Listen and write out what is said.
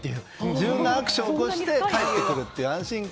自分がアクションを起こして返ってくるという安心感。